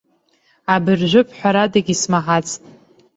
Абыржәы бҳәарадагьы исмаҳацт.